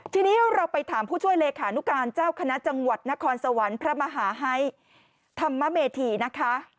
ทีนี้เราไปถามผู้ช่วยเลขานุการเจ้าคณะจังหวัดนครสวรรค์พระมหาไฮธรรมเมธีนะคะ